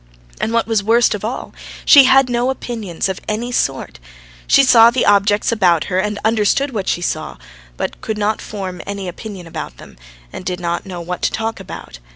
And what was worst of all, she had no opinions of any sort. She saw the objects about her and understood what she saw, but could not form any opinion about them, and did not know what to talk about.